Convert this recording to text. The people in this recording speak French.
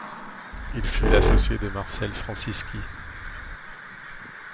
Il fut l'associé de Marcel Francisci.